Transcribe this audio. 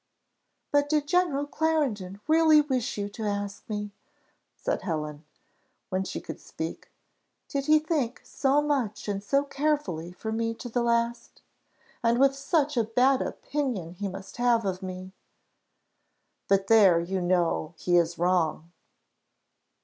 "But did General Clarendon really wish you to ask me?" said Helen, when she could speak. "Did he think so much and so carefully for me to the last? And with such a bad opinion as he must have of me!" "But there you know he is wrong."